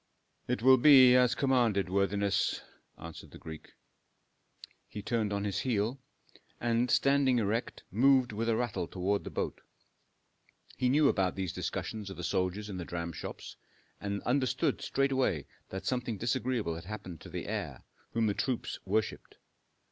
"It will be as commanded, worthiness," answered the Greek. He turned on his heel, and standing erect moved with a rattle toward the boat. He knew about these discussions of the soldiers in the dramshops, and understood straightway that something disagreeable had happened to the heir, whom the troops worshipped.